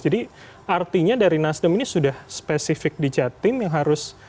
jadi artinya dari nasdem ini sudah spesifik di jatim yang harus